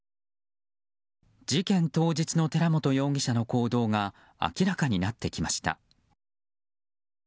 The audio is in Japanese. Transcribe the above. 事件当日の寺本容疑者の行動が明らかになってきました。